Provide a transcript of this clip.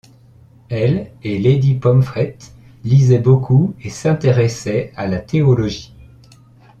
Elle et Lady Pomfret lisaient beaucoup et s'intéressaient à la théologie.